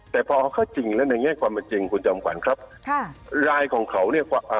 แต่พอเขาจริงแล้วในแง่ความจริงคุณจำขวัญครับค่ะรายของเขาเนี่ยอ่า